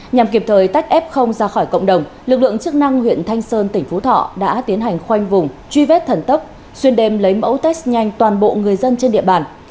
nhằm kịp thời tách f ra khỏi cộng đồng lực lượng chức năng huyện thanh sơn tỉnh phú thọ đã tiến hành khoanh vùng truy vết thần tấp xuyên đêm lấy mẫu test nhanh toàn bộ người dân trên địa bàn